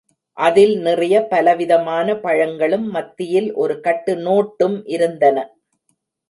அதில் நிறைய பலவிதமான பழங்களும் மத்தியில் ஒரு கட்டு நோட்டும் இருந்தன.